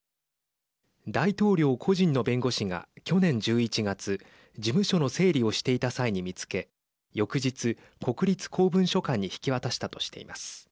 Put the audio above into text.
大統領個人の弁護士が去年１１月事務所の整理をしていた際に見つけ翌日、国立公文書館に引き渡したとしています。